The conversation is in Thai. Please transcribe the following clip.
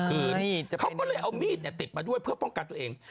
คือเขาก็เลยเอามีดติดมาด้วยเพื่อป้องกันตัวเอง